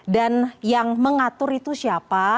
dan yang mengatur itu siapa